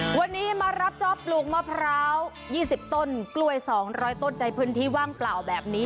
วันนี้มารับจ๊อปปลูกมะพร้าว๒๐ต้นกล้วย๒๐๐ต้นในพื้นที่ว่างเปล่าแบบนี้